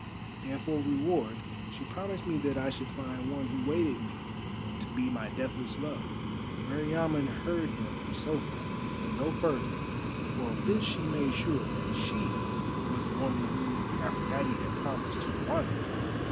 And for reward she promised me that I should find one who waited me to be my deathless love." Meriamun heard him so far, but no further, for of this she made sure, that she was the woman whom Aphrodite had promised to the Wanderer.